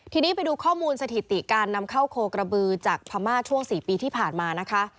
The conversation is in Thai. ทีนี้ไปดูข้อมูลสถิติการนำเข้าโคกระบือจากพม่าช่วง๔ปีที่ผ่านมานะคะ